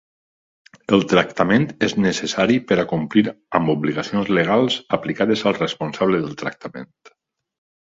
El tractament és necessari per complir amb obligacions legals aplicables al responsable del tractament.